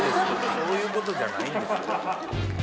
そういうことじゃないんですよ。